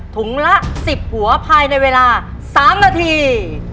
ถุงละ๑๐หัวภายในเวลา๓นาที